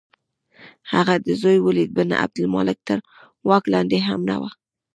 د هغه د زوی ولید بن عبدالملک تر واک لاندې هم نه وه.